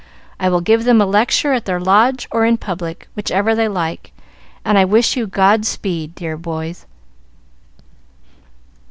I will give them a lecture at their Lodge or in public, whichever they like; and I wish you God speed, dear boys."